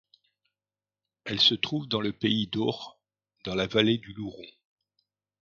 Elle se trouve dans le Pays d'Aure, dans la vallée du Louron.